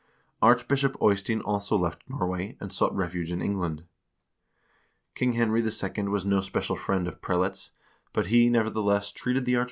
Arch bishop Eystein also left Norway, and sought refuge in England. King Henry II. was no special friend of prelates, but he, nevertheless, 1 Sverressaga, ch.